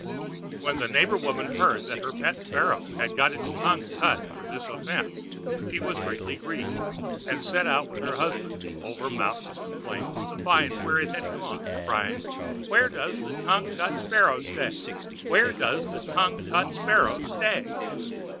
When the neighbor woman heard that her pet Sparrow had got its tongue cut for its offense, she was greatly grieved, and set out with her husband over mountains and plains to find where it had gone, crying: "Where does the tongue cut Sparrow stay? Where does the tongue cut Sparrow stay?"